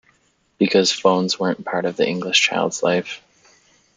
Because 'phones weren't part of the English child's life.